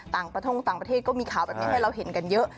ประทงต่างประเทศก็มีข่าวแบบนี้ให้เราเห็นกันเยอะ